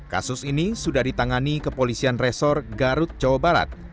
kasus ini sudah ditangani kepolisian resor garut jawa barat